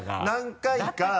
何回か。